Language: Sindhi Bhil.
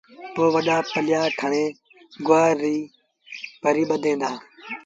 پو وڏآ پليآ کڻي گُوآر ريٚݩ ڀريٚݩ ٻڌيٚن دآ۔